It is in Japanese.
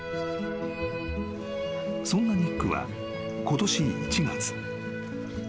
［そんなニックはことし１月］